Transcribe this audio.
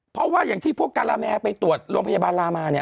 เพราะว่าอย่างที่พวกการาแมไปตรวจโรงพยาบาลลามาเนี่ย